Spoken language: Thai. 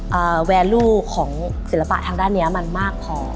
ความสำคัญของศิลปะทางด้านนี้มันมากพอ